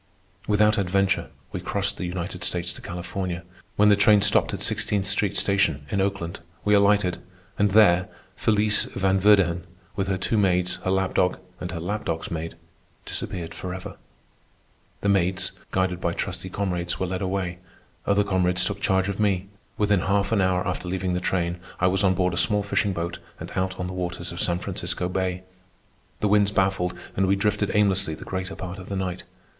Without adventure we crossed the United States to California. When the train stopped at Sixteenth Street Station, in Oakland, we alighted, and there Felice Van Verdighan, with her two maids, her lap dog, and her lap dog's maid, disappeared forever. The maids, guided by trusty comrades, were led away. Other comrades took charge of me. Within half an hour after leaving the train I was on board a small fishing boat and out on the waters of San Francisco Bay. The winds baffled, and we drifted aimlessly the greater part of the night.